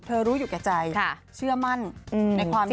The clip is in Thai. เธอรู้อยู่ใกล้ใจเชื่อมั่นในความดี